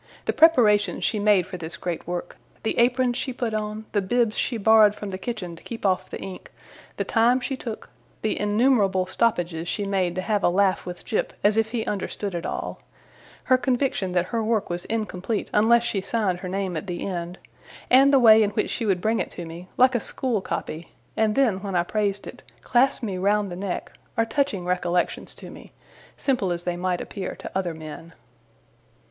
The preparations she made for this great work, the aprons she put on, the bibs she borrowed from the kitchen to keep off the ink, the time she took, the innumerable stoppages she made to have a laugh with Jip as if he understood it all, her conviction that her work was incomplete unless she signed her name at the end, and the way in which she would bring it to me, like a school copy, and then, when I praised it, clasp me round the neck, are touching recollections to me, simple as they might appear to other men.